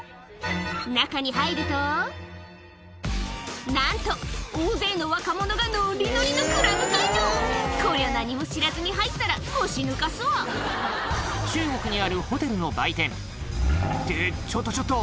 中に入るとなんと大勢の若者がノリノリのクラブ会場こりゃ何も知らずに入ったら腰抜かすわってちょっとちょっと！